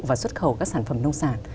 và xuất khẩu các sản phẩm nông sản